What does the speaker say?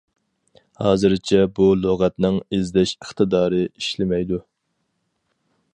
ھازىرچە بۇ لۇغەتنىڭ ئىزدەش ئىقتىدارى ئىشلىمەيدۇ.